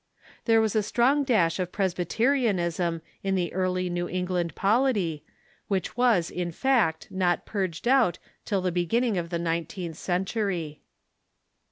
There was a strong dash of Presbyterianism in the early Xew England polity, which was, in fact, not purged out till the be ginning of the nineteenth century.